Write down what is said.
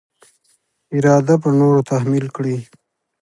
اراده پر نورو تحمیل کړي.